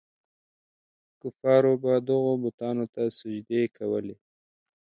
کفارو به دغو بتانو ته سجدې کولې.